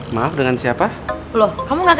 wadaw pal starts